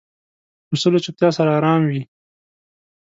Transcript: پسه له چوپتیا سره آرام وي.